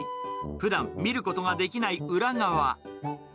ふだん、見ることができない裏側。